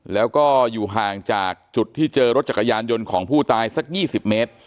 แล้วก็อยู่ห่างจากจุดที่เจอรถจักรยานยนต์ของผู้ตายสัก๒๐เมตร